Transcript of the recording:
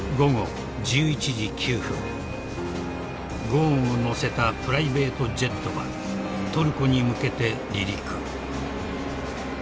［ゴーンを乗せたプライベートジェットはトルコに向けて離陸］